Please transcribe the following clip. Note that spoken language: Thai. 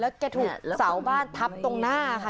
แกถูกเสาบ้านทับตรงหน้าค่ะ